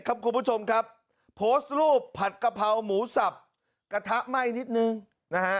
คุณผู้ชมครับโพสต์รูปผัดกะเพราหมูสับกระทะไหม้นิดนึงนะฮะ